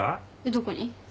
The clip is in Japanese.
どこに？